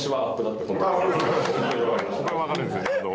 「僕はわかるんですけど」